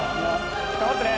頑張ってね。